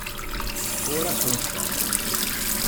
Ora sono sciocchi.